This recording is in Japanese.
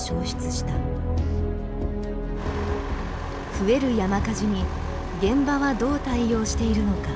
増える山火事に現場はどう対応しているのか。